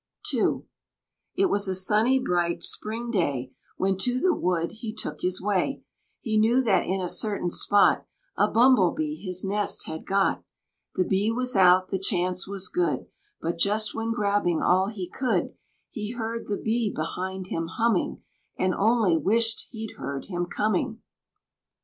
II. It was a sunny, bright, spring day, When to the wood he took his way; He knew that in a certain spot A Bumble Bee his nest had got. The Bee was out, the chance was good, But just when grabbing all he could, He heard the Bee behind him humming, And only wished he'd heard him coming!